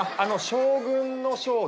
将軍の「将」。